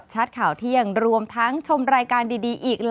โปรด